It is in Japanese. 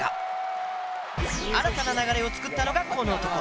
新たな流れを作ったのがこの男。